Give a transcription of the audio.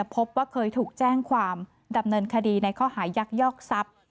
พบว่าเคยถูกแจ้งความดำเนินคดีในข้อหายักยอกทรัพย์